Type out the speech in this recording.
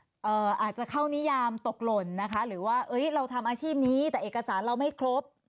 อาจจะเข้านิยามตกหล่นนะคะหรือว่าเอ้ยเราทำอาชีพนี้แต่เอกสารเราไม่ครบ